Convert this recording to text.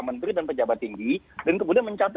menteri dan pejabat tinggi dan kemudian mencapai